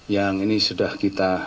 yang ini sudah kita